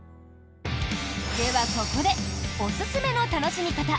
では、ここでおすすめの楽しみ方。